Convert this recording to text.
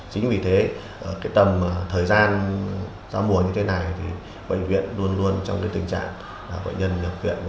chính vì thế tầm thời gian ra mùa như thế này bệnh viện luôn luôn trong tình trạng bệnh nhân nhập viện